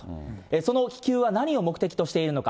その気球は何を目的としているのか。